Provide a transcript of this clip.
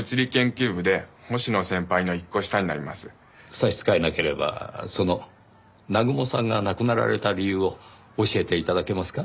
差し支えなければその南雲さんが亡くなられた理由を教えて頂けますか？